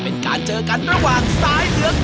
เป็นการเจอกันระหว่างสายเหลือง